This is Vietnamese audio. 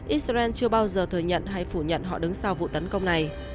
israel chưa bao giờ thừa nhận hay phủ nhận họ đứng sau vụ tấn công này